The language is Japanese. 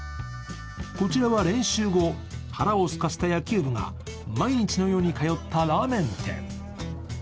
こちらは練習後、腹をすかせた野球部が毎日のように通ったラーメン店。